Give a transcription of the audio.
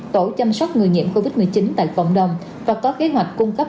tổ chăm sóc người nhiễm covid một mươi chín tại cộng đồng và có kế hoạch cung cấp